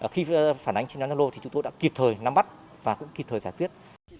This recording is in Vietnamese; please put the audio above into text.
khi phản ánh trên nhóm gia lô thì chúng tôi đã kịp thời nắm bắt và cũng kịp thời giải quyết